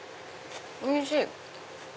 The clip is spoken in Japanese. おいしい！